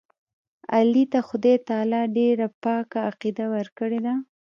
علي ته خدای تعالی ډېره پاکه عقیده ورکړې ده.